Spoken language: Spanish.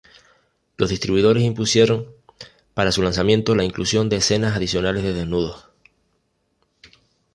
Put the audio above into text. Los distribuidores impusieron para su lanzamiento la inclusión de escenas adicionales de desnudos.